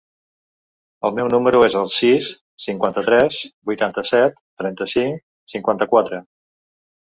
El meu número es el sis, cinquanta-tres, vuitanta-set, trenta-cinc, cinquanta-quatre.